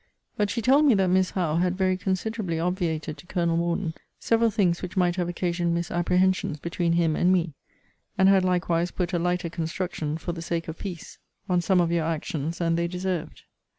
But she told me that Miss Howe had very considerably obviated to Colonel Morden several things which might have occasioned misapprehensions between him and me; and had likewise put a lighter construction, for the sake of peace, on some of your actions than they deserved.